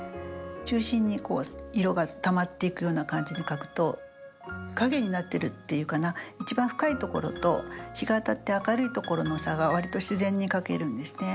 中心に色がたまっていくような感じで描くと影になってるっていうかな一番深いところと日が当たって明るいところの差がわりと自然に描けるんですね。